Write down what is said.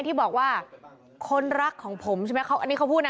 ที่บอกว่าคนรักของผมใช่ไหมเขาอันนี้เขาพูดนะ